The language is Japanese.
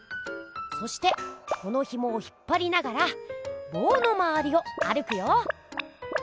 そしてこのひもを引っぱりながらぼうのまわりを歩くよ。